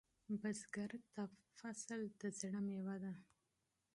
بزګر ته فصل د زړۀ میوه ده